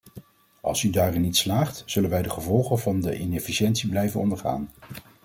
Als u daarin niet slaagt, zullen wij de gevolgen van de inefficiëntie blijven ondergaan.